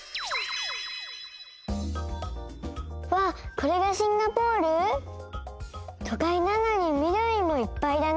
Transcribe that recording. これがシンガポール？とかいなのにみどりもいっぱいだね。